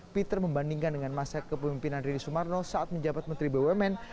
peter membandingkan dengan masa kepemimpinan rini sumarno saat menjabat menteri bumn